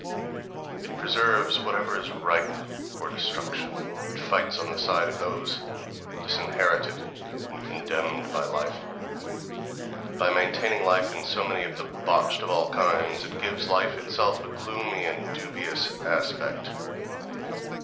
It preserves whatever is ripe for destruction; it fights on the side of those disinherited and condemned by life; by maintaining life in so many of the botched of all kinds, it gives life itself a gloomy and dubious aspect.